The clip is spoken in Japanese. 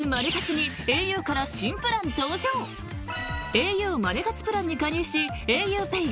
ａｕマネ活プランに加入しａｕＰＡＹ